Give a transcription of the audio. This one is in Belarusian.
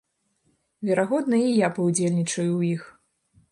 Верагодна, і я паўдзельнічаю ў іх.